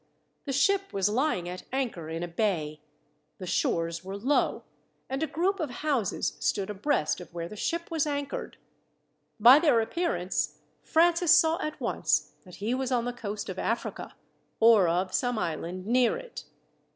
The ship was lying at anchor in a bay. The shores were low, and a group of houses stood abreast of where the ship was anchored. By their appearance Francis saw at once that he was on the coast of Africa, or of some island near it.